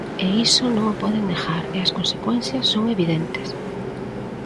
E iso non o poden negar e as consecuencias son evidentes.